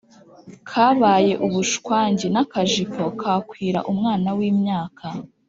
kabaye ubushwangi n’akajipo kakwira umwana w’imyaka